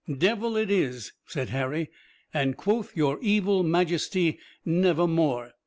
"Devil it is," said Harry, "and quoth your evil majesty 'never more.'